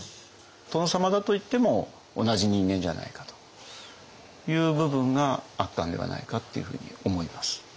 殿様だといっても同じ人間じゃないかという部分があったんではないかっていうふうに思います。